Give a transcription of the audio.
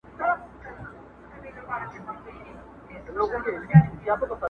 زړه قاصِد ور و لېږمه ستا یادونه را و بولم,